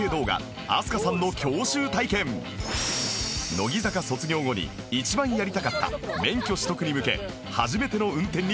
乃木坂卒業後に一番やりたかった免許取得に向け初めての運転に挑戦